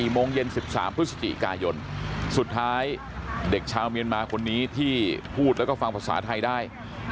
โมงเย็น๑๓พฤศจิกายนสุดท้ายเด็กชาวเมียนมาคนนี้ที่พูดแล้วก็ฟังภาษาไทยได้